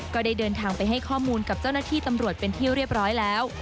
ก็ได้เดินทางไปให้ข้อมูลกับเจ้าหน้าที่ตำรวจเป็นที่เรียบร้อยแล้ว